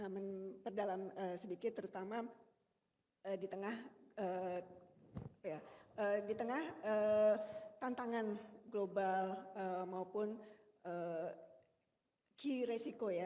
jadi saya ingin sedikit terdalam sedikit terutama di tengah tantangan global maupun key resiko ya